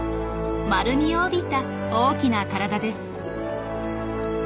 丸みを帯びた大きな体です。